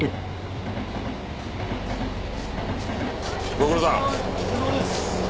ご苦労さん。